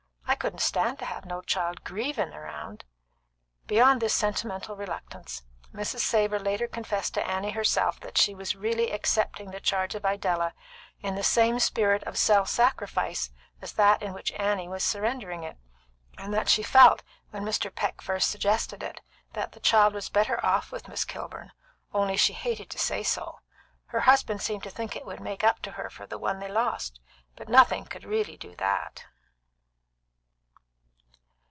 I couldn't stand it to have no child grievin' around." Beyond this sentimental reluctance, Mrs. Savor later confessed to Annie herself that she was really accepting the charge of Idella in the same spirit of self sacrifice as that in which Annie was surrendering it, and that she felt, when Mr. Peck first suggested it, that the child was better off with Miss Kilburn; only she hated to say so. Her husband seemed to think it would make up to her for the one they lost, but nothing could really do that.